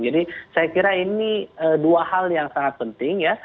jadi saya kira ini dua hal yang sangat penting ya